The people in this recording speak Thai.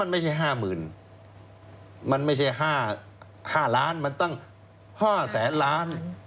มันไม่ใช่ห้ามืนมันไม่ใช่ห้าร้านมันตั้งห้าแสนล้าน